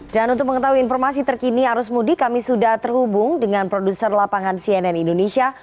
dan untuk mengetahui informasi terkini arus mudik kami sudah terhubung dengan produser lapangan cnn indonesia